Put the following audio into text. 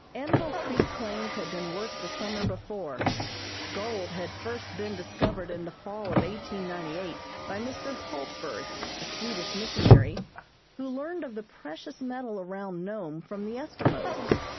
Anvil Creek claims had been worked the summer before. Gold had first been discovered in the fall of 1898 by Mr. Hultberg, a Swedish missionary, who learned of the precious metal around Nome from the Eskimos.